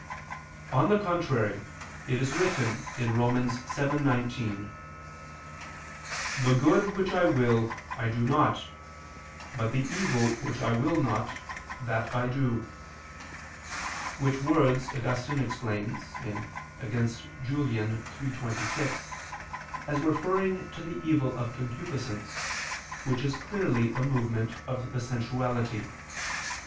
On the contrary, It is written (Rom. 7:19): "The good which I will I do not; but the evil which I will not, that I do": which words Augustine explains (Contra Julian. iii, 26; De Verb. Apost. xii, 2, 3), as referring to the evil of concupiscence, which is clearly a movement of the sensuality.